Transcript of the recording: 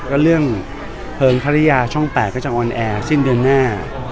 ก็เรื่องเพิ่มรุ้งฮรยาช่อง๘ออนแอร์สิ้นเดือนหน้า